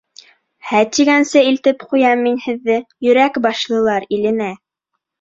Һә тигәнсе илтеп ҡуям мин һеҙҙе Йөрәк башлылар иленә.